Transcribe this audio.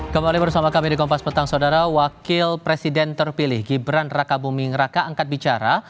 kembali bersama kami di kompas petang saudara wakil presiden terpilih gibran raka buming raka angkat bicara